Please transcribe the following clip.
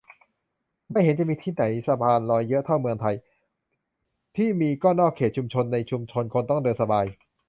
ไม่เห็นจะมีที่ไหนสะพานลอยเยอะเท่าเมืองไทย ที่มีก็นอกเขตชุมชน ในชุมชนคนต้องเดินสบาย